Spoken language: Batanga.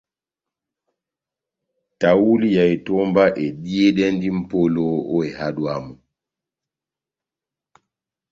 Tahuli ya etomba ediyedɛndi mʼpolo ó ehádo yamu.